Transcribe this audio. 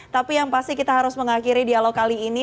tapi yang pasti kita harus mengakhiri dialog kali ini